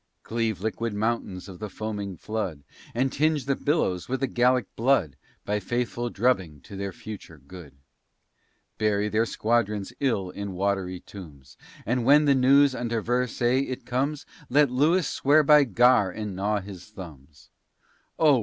Cleave liquid mountains of the foaming flood, And tinge the billows with the Gallic blood, A faithful drubbing to their future good. Bury their squadrons ill in watery tombs; And when the news unto Versailles it comes, Let Lewis swear by Gar and gnaw his thumbs. Oh!